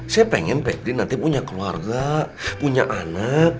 saya pengen pepri nanti punya keluarga punya anak